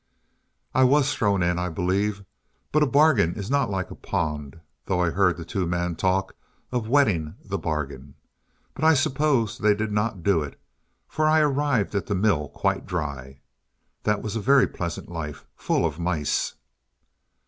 "I was thrown in, I believe. But a bargain is not like a pond; though I heard the two men talk of 'wetting' the bargain. But I suppose they did not do it, for I arrived at the mill quite dry. That was a very pleasant life full of mice!"